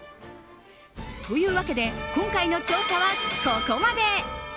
というわけで今回の調査はここまで。